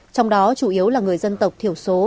trong đó chủ yếu là người dân tộc thiểu số